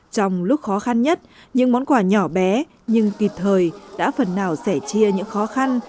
trong lúc khó khăn nhất những món quà nhỏ bé nhưng kịp thời đã phần nào sẻ chia những khó khăn